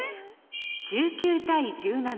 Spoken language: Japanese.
１９対１７。